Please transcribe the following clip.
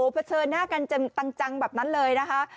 เผชิญหน้ากันจังแบบนั้นเลยนะคะ